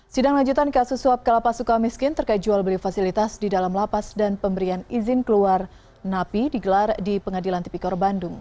sidang lanjutan kasus suap ke lapas suka miskin terkait jual beli fasilitas di dalam lapas dan pemberian izin keluar napi digelar di pengadilan tipikor bandung